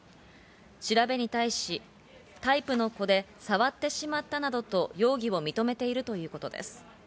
調べに対し、タイプの子で触ってしまったなどと容疑を認めているということです。